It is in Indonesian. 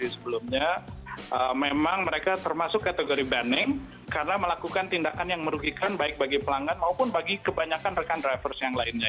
jadi sebelumnya memang mereka termasuk kategori banning karena melakukan tindakan yang merugikan baik bagi pelanggan maupun bagi kebanyakan rekan drivers yang lainnya